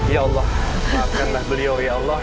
ya allah maafkanlah beliau